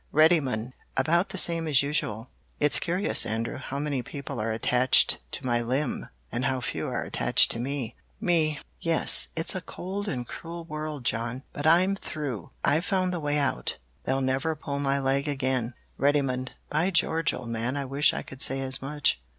"Reddymun About the same as usual. It's curious, Andrew, how many people are attached to my limb, and how few are attached to me. "Me Yes, it's a cold and cruel world, John. But I'm through. I've found the way out. They'll never pull my leg again. "Reddymun By George, old man, I wish I could say as much.